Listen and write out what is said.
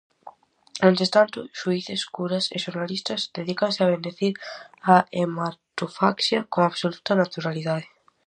Mentres tanto, xuíces, curas e xornalistas dedícanse a bendicir a hematofaxia con absoluta naturalidade.